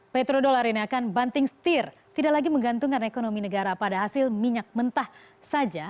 petrodolar ini akan banting setir tidak lagi menggantungkan ekonomi negara pada hasil minyak mentah saja